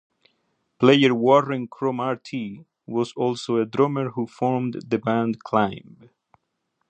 Player Warren Cromartie was also a drummer who formed the band Climb.